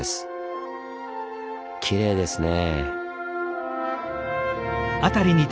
きれいですねぇ。